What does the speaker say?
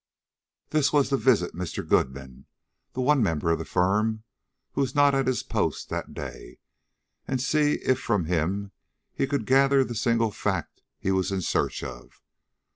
This was to visit Mr. Goodman, the one member of the firm who was not at his post that day, and see if from him he could gather the single fact he was in search of.